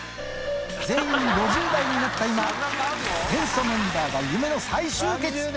全員５０代になった今、天素メンバーが夢の再集結。